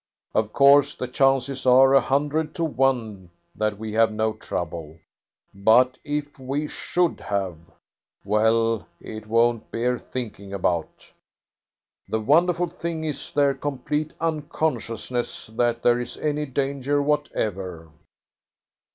Of course, the chances are a hundred to one that we have no trouble; but if we should have well, it won't bear thinking about. The wonderful thing is their complete unconsciousness that there is any danger whatever."